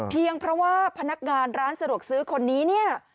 เพียงเพราะว่าพนักงานร้านสะดวกซื้อคนนี้เนี่ย